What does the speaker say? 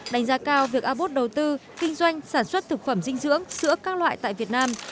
đánh giá cao việc abut đầu tư kinh doanh sản xuất thực phẩm dinh dưỡng sữa các loại tại việt nam